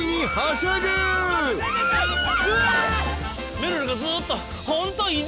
めるるがずっと。